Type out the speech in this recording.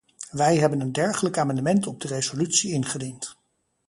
Wij hebben een dergelijk amendement op de resolutie ingediend.